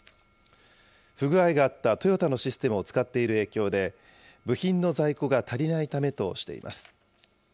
不具合があったトヨタのシステムを使っている影響で、部品の在庫が足りないためとしています。